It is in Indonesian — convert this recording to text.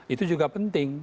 itu juga penting